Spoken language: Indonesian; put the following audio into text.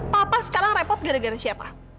papa sekarang repot gara gara siapa